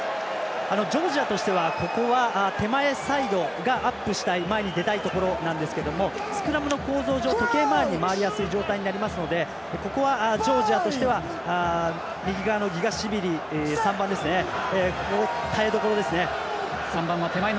ジョージアとしてはここは手前サイドが前に出たいところなんですがスクラムの構造上時計回りに回りやすい状態になりますのでここはジョージアとしては右側のギガシビリ、３番ですね耐えどころですね。